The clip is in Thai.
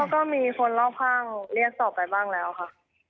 ก็มีคนรอบข้างเรียกต่อไปบ้างแล้วค่ะ